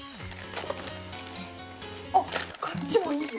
おっこっちもいいよ。